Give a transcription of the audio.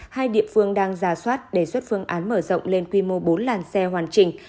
hai địa phương đang ra soát đề xuất phương án mở rộng lên quy mô bốn làn xe hoàn chỉnh